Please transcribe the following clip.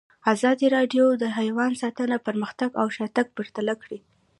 ازادي راډیو د حیوان ساتنه پرمختګ او شاتګ پرتله کړی.